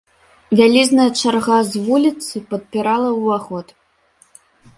Вялізная чарга з вуліцы падпірала ўваход.